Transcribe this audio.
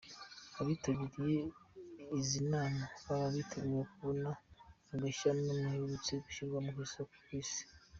Abitabira izi nama baba biteguye kubona agashya mu duherutse gushyirwa ku isoko ku isi.